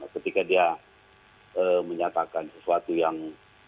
ketika dia menyatakan sesuatu yang